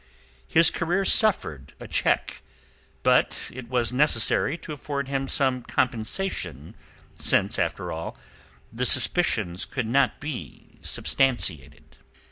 His career suffered a check; but it was necessary to afford him some compensation since, after all, the suspicions could not be substantiated.